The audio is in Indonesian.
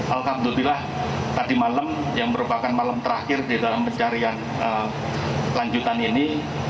alhamdulillah tadi malam yang merupakan malam terakhir di dalam pencarian lanjutan ini